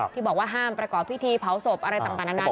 ที่บอกว่าห้ามประกอบพิธีเผาศพอะไรต่างนานา